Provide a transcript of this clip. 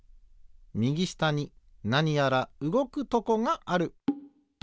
みぎしたになにやらうごくとこがある。